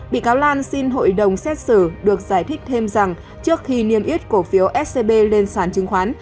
bị cáo lan xin hội đồng xét xử được giải thích thêm rằng trước khi niêm yết cổ phiếu scb lên sản chứng khoán